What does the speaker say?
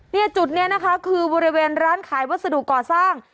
เนี่ยจุดนี้นะคะคือบริเวณร้านขายวัสดุก่อสร้าง